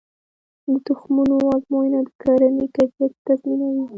د تخمونو ازموینه د کرنې کیفیت تضمینوي.